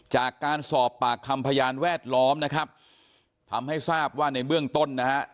จากการสอบปากคำพยานแวดล้อมนะครับทำให้ทราบว่าในเบื้องต้นนะฮะ